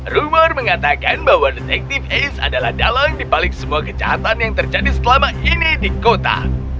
rumor mengatakan bahwa detective ace adalah dalang dibalik semua kejahatan yang terjadi selama ini di kota